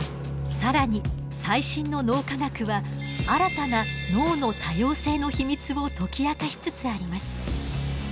更に最新の脳科学は新たな脳の多様性の秘密を解き明かしつつあります。